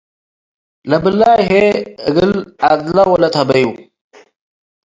ለብላይ ህዬ እግል ዐድለ ወለት ሀይቡ ።